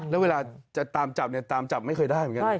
แล้วเวลาจะตามจับเนี่ยตามจับไม่เคยได้เหมือนกัน